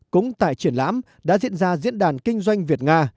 cũng tại triển lãm đã diễn ra diễn đàn kinh doanh việt nga